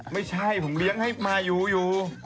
ไม่ใช่ผมเลี้ยงให้มาอยู่